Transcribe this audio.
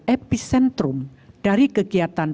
epicentrum dari kegiatan